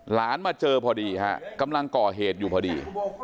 มาเจอพอดีฮะกำลังก่อเหตุอยู่พอดี